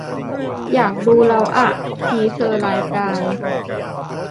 อยากดูแล้วอ่ะ ! ทีเซอร์ รายการ